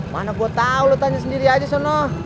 mana gue tau lo tanya sendiri aja sonoh